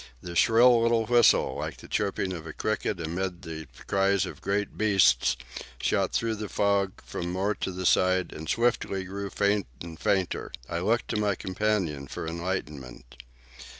The shrill little whistle, like the chirping of a cricket amid the cries of great beasts, shot through the fog from more to the side and swiftly grew faint and fainter. I looked to my companion for enlightenment.